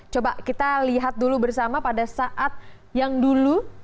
coba kita lihat dulu bersama pada saat yang dulu